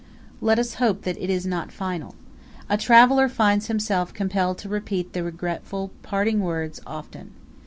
Let us hope that it is not final. A traveller finds himself compelled to repeat the regretful parting word often.